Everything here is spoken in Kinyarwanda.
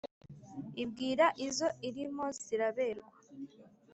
ibwira izo irimo ziraberwa,